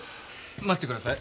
待ってください。